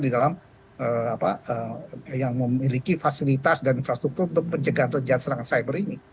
di dalam apa yang memiliki fasilitas dan infrastruktur untuk pencegahan dan teacheserangan cyber ini